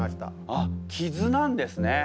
あっ傷なんですね。